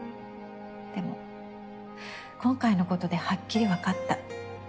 でも今回のことではっきりわかった。